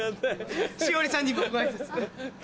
栞里さんにもご挨拶。